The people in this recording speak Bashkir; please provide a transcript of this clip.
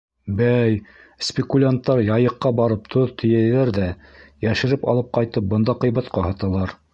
— Бәй, спекулянттар Яйыҡҡа барып тоҙ тейәйҙәр ҙә, йәшереп алып ҡайтып бында ҡыйбатҡа һаталар.